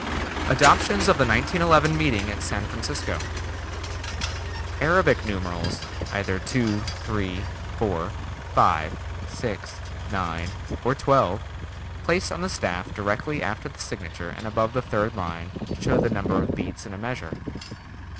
ADOPTIONS OF THE 1911 MEETING AT SAN FRANCISCO Arabic numerals, either 2, 3, 4, 5, 6, 9, or 12, placed on the staff directly after the signature and above the third line, show the number of beats in a measure.